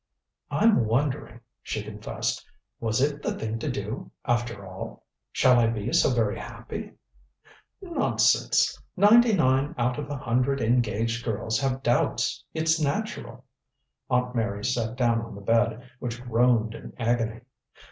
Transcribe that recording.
"I'm wondering," she confessed. "Was it the thing to do, after all? Shall I be so very happy?" "Nonsense. Ninety nine out of a hundred engaged girls have doubts. It's natural." Aunt Mary sat down on the bed, which groaned in agony.